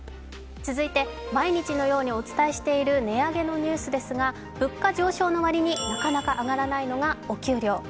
続いて毎日のようにお伝えしている値上げのニュースですが物価上昇の割になかなか上がらないのがお給料。